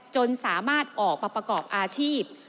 จนสามารถออกมาประกอบอาชีพ